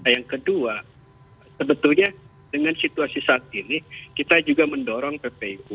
yang kedua sebetulnya dengan situasi saat ini kita juga mendorong ppu